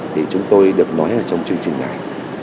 thì chúng tôi được nói trong chương trình này